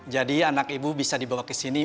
jadi anak ibu bisa dibawa kesini